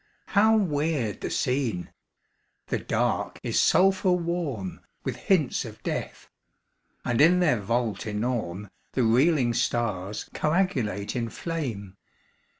How weird the scene! The Dark is sulphur warm With hints of death; and in their vault enorme The reeling stars coagulate in flame.